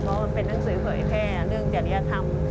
เพราะเป็นนังสึกเผยแค่เรื่องศัยธรรยธรรม